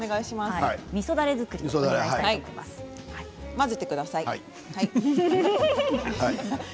混ぜてください。